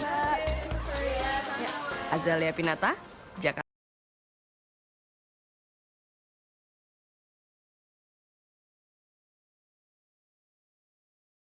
hai azalea pinata jakarta